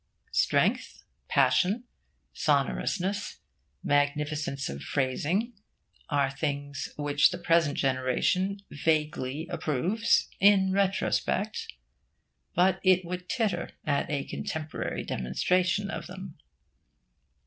Strength, passion, sonorousness, magnificence of phrasing, are things which the present generation vaguely approves in retrospect; but it would titter at a contemporary demonstration of them.